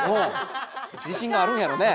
自信があるんやろね。